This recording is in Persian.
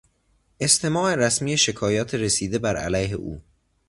استماع رسمی شکایات رسیده بر علیه او